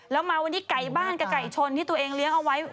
แล้วมาวันนี้ไก่บ้านกับไก่ชนที่ตัวเองเลี้ยงเอาไว้